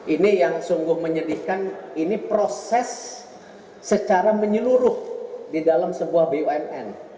ini yang sungguh menyedihkan ini proses secara menyeluruh di dalam sebuah bumn